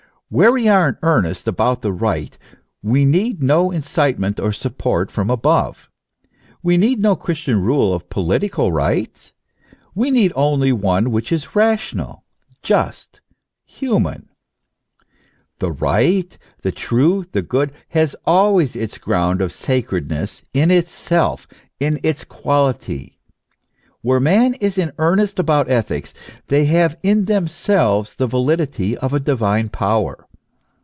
Where we are in earnest about the right we need no incitement or support from above. We need no Christian rule of political right ; we need only one which is rational, just, human. The right, the true, the good, has always its ground of sacredness in itself, in its quality. Where man is in earnest about ethics, they have in themselves the validity of a divine power.